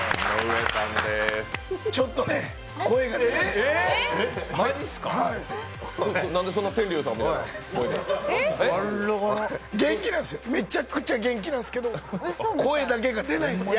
ちょっとね、声が出ないんです。